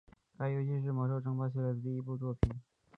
该游戏是魔兽争霸系列的第一部作品。